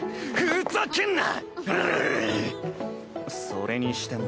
それにしても。